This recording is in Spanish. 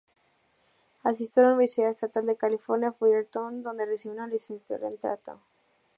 Asistió a la Universidad Estatal de California, Fullerton, donde recibió una licenciatura en teatro.